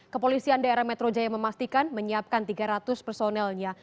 kepolisian daerah metro jaya memastikan menyiapkan tiga ratus personelnya